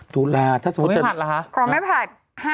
ตุลายถ้าสมมติว่าของพี่ผัดเหรอคะ